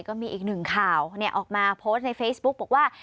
ก็มีอีกหนึ่งข่าวออกมาโพสต์ในเฟซบุ๊กบอกว่า